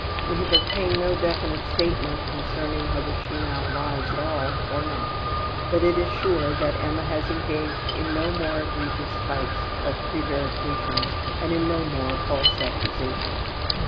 We have obtained no definite statement concerning whether she now lies at all or not, but it is sure that Emma has engaged in no more egregious types of prevarications and in no more false accusations.